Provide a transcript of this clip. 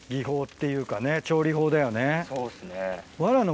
そうですね。